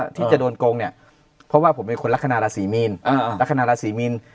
ที่จะโดนโกงเนี่ยเพราะว่าผมเป็นคนลักษณะราศีมีนลักษณะราศีมีน